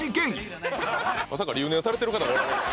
まさか留年されてる方がおられるとは。